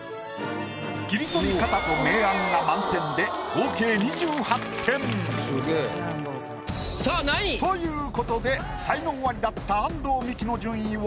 切り取り方と明暗が満点で合計２８点。ということで才能アリだった安藤美姫の順位は。